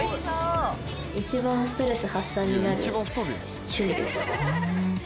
一番ストレス発散になる趣味です